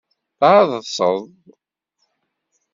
Tɛeḍseḍ.